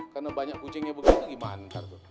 karena banyak kucingnya begitu gimana kan itu